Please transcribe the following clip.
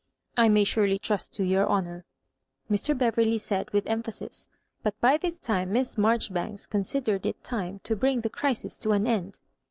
I may surely trust to your honour," Mr. Beverley said, with empha sis; but by this time Miss Maijoribanks consi dered it time to bring the crisis to an end.